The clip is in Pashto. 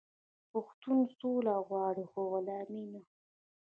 پښتون سوله غواړي خو غلامي نه.